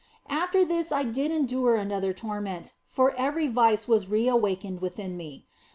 After this I did endure another torment, for every vice was re awakened within me.